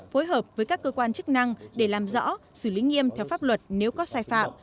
phối hợp với các cơ quan chức năng để làm rõ xử lý nghiêm theo pháp luật nếu có sai phạm